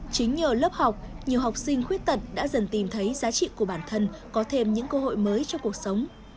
chính nhờ lớp học nhiều học sinh khuyết tật đã dần tìm thấy giá trị của bản thân có thêm những cơ hội mới trong cuộc sống